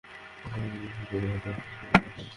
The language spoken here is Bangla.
কী শুনতে চান আমার কাছ থেকে?